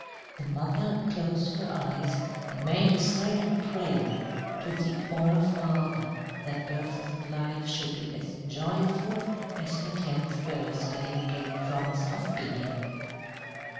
The mother closed her eyes and made a silent prayer to the All Father that Bertha's life should be as joyful as her tenth birthday gave promise of being.